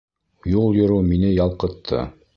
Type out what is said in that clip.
Юл йөрөү мине ялҡытты.